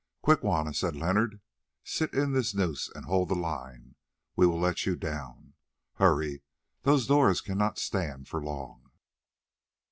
"Quick, Juanna!" said Leonard, "sit in this noose and hold the line, we will let you down. Hurry, those doors cannot stand for long."